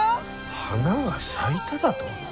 花が咲いただと？